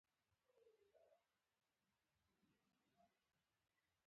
د خپل شریعت د تطبیق وظیفه یې ورپه غاړه کړې.